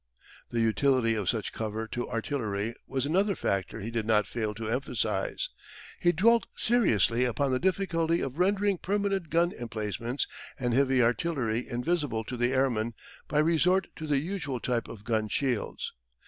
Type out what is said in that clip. The utility of such cover to artillery was another factor he did not fail to emphasise. He dwelt seriously upon the difficulty of rendering permanent gun emplacements and heavy artillery invisible to the airman by resort to the usual type of gun shields.